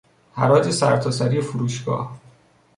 حراج سرتاسری فروشگاه